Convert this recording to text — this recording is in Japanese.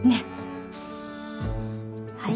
はい。